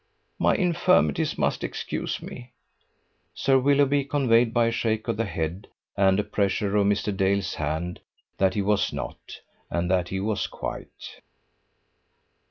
My infirmities must excuse me." Sir Willoughby conveyed by a shake of the head and a pressure of Mr. Dale's hand, that he was not, and that he was quite.